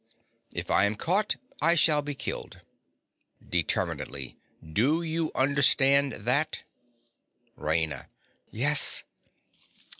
If I'm caught I shall be killed. (Determinedly.) Do you understand that? RAINA. Yes.